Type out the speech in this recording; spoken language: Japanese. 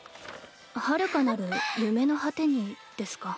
「遥かなる夢の果てに」ですか。